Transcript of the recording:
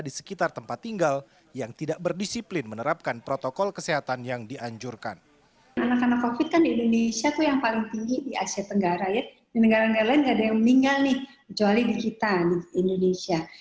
di negara negara lain tidak ada yang meninggal kecuali di kita di indonesia